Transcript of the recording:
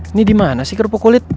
ini dimana sih kerupuk kulit